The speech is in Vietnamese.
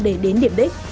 để đến điểm đích